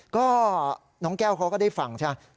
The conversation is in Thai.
ก็น้องแก้วเขาก็ได้ฟังใช่ไหม